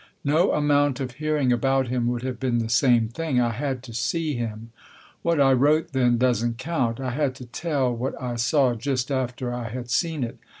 No amount of hearing about him would have been the same thing. I had to see him. What I wrote then doesn't count. I had to tell what I saw just after I had seen it.